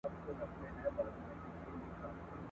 ماشومان به د تعلیم له لاري پرمختګ کوي.